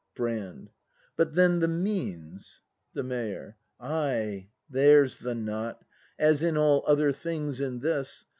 Brand. But then the means —? The Mayor. Ay, there's the knot. As in all other things, in this.